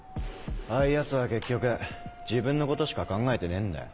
ああいうヤツは結局自分のことしか考えてねえんだよ。